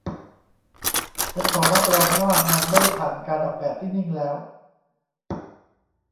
ฉันขอรับรองว่ามันไม่ได้ผ่านการออกแบบที่นิ่งแล้ว